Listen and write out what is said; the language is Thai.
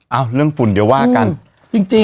เอาเรื่องของคุณก่อน